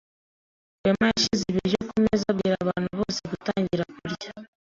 Rwema yashyize ibiryo kumeza abwira abantu bose gutangira kurya.